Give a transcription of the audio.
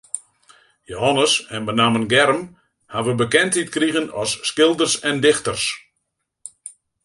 Jehannes en benammen Germ hawwe bekendheid krigen as skilders en dichters.